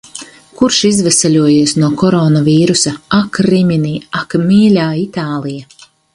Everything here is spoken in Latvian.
Kurš izveseļojies no koronavīrusa. Ak, Rimini, ak, mīļā Itālija!